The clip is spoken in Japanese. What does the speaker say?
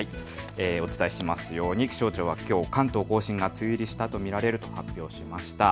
お伝えしているように気象庁はきょう関東甲信が梅雨入りしたと見られると発表しました。